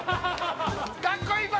かっこいいぞ！